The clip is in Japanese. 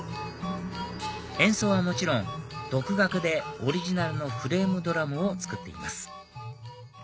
演奏はもちろん独学でオリジナルのフレームドラムを作っています